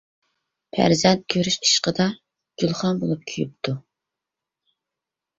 پەرزەنت كۆرۈش ئىشقىدا، گۈلخان بولۇپ كۆيۈپتۇ.